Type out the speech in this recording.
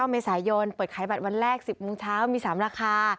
เมษายนเปิดขายบัตรวันแรก๑๐โมงเช้ามี๓ราคา